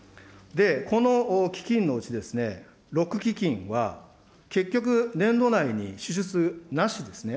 この基金のうち、６基金は、結局、年度内に支出なしですね。